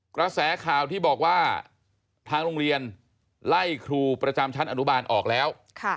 กระแสข่าวที่บอกว่าทางโรงเรียนไล่ครูประจำชั้นอนุบาลออกแล้ว